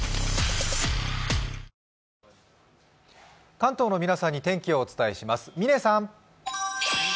関東の皆さんに天気をお伝えします。